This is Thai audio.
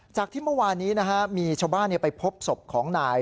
ที่เมื่อวานนี้มีชาวบ้านไปพบศพของนาย